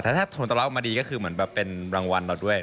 แต่ถ้าทนตลาออกมาดีก็คือเหมือนแบบเป็นรางวัลเราด้วย